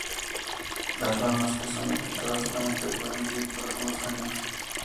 Las ramas que son afectadas solamente pueden vivir por algunos años.